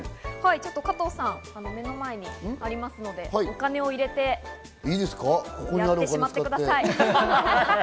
加藤さん、目の前にありますのでお金を入れて、やってしまってください。